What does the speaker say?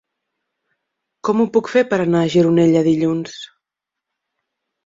Com ho puc fer per anar a Gironella dilluns?